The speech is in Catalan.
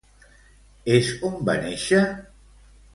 És on va néixer?